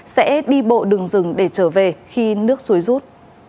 sẽ đi bộ đường rừng để trở về khi nước suối rút